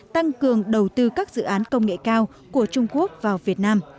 tăng cường đầu tư các dự án công nghệ cao của trung quốc vào việt nam